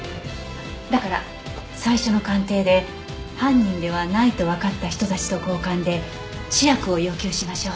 だから最初の鑑定で犯人ではないとわかった人たちと交換で試薬を要求しましょう。